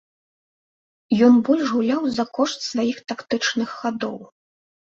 Ён больш гуляў за кошт сваіх тактычных хадоў.